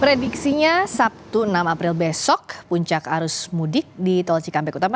prediksinya sabtu enam april besok puncak arus mudik di tol cikampek utama